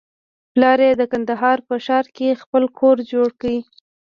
پلار يې د کندهار په ښار کښې خپل کور جوړ کړى.